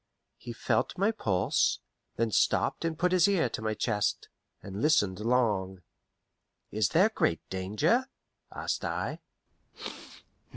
He felt my pulse; then stopped and put his ear to my chest, and listened long. "Is there great danger?" asked I.